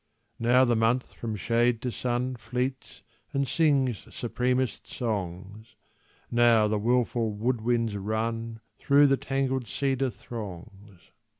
Now the month from shade to sun Fleets and sings supremest songs, Now the wilful wood winds run Through the tangled cedar throngs.